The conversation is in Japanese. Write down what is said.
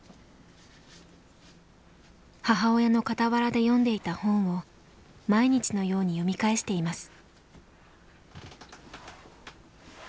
母親の傍らで読んでいた本を毎日のように読み返しています。